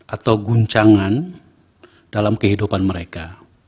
atau guncangan dalam kehidupan mereka